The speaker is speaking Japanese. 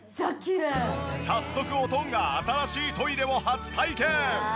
早速おとんが新しいトイレを初体験！